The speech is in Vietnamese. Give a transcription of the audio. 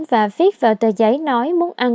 và viết vào tờ giấy nói muốn ăn